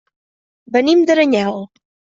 Venim d'Aranyel.